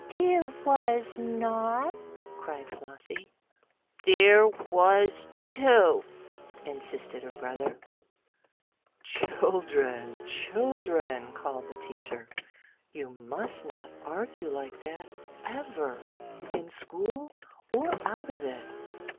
"There was not!" cried Flossie. "There was too!" insisted her brother. "Children children!" called the teacher. "You must not argue like that ever in school, or out of it.